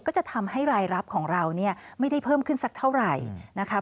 ก็จะทำให้รายรับของเราเนี่ยไม่ได้เพิ่มขึ้นสักเท่าไหร่นะคะ